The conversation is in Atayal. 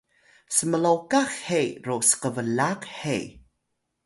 smlokah he ro skblaq he